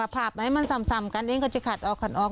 ภาพไหนมันซ่ำกันเองก็จะขัดออกขัดออก